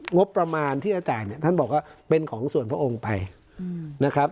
งบประมาณที่จะจ่ายเนี่ยท่านบอกว่าเป็นของส่วนพระองค์ไปนะครับ